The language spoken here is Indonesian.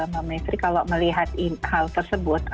mbak mestri kalau melihat hal tersebut